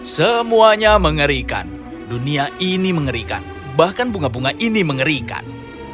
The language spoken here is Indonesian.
semuanya mengerikan dunia ini mengerikan bahkan bunga bunga ini mengerikan